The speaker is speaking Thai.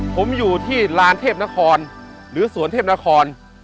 ผมอยู่ที่ลานเทพนครหรือสวนเทพนคร